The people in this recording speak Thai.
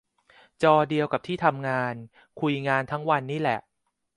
จอเดียวกับที่ทำงาน คุยงานทั้งวันนี่แหละ